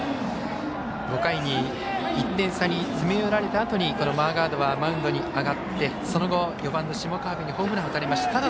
５回に１点差に詰め寄られたあとにこのマーガードはマウンドに上がってその後４番の下川邊にホームランを打たれました。